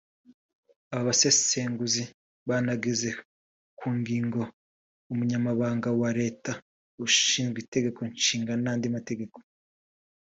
Aba basesenguzi banageze ku ngingo Umunyamabanga wa Leta Ushinzwe Itegeko Nshinga n’andi mategeko